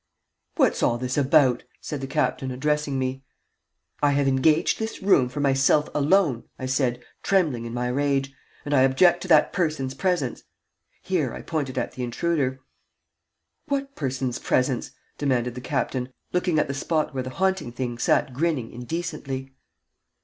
"What's all this about?" said the captain, addressing me. "I have engaged this room for myself alone," I said, trembling in my rage, "and I object to that person's presence." Here I pointed at the intruder. "What person's presence?" demanded the captain, looking at the spot where the haunting thing sat grinning indecently.